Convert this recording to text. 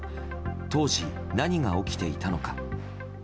当時、何が起きていたのか。